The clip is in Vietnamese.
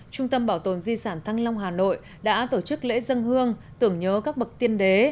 trung tâm bảo tồn di sản thăng long hà nội đã tổ chức lễ dân hương tưởng nhớ các bậc tiên đế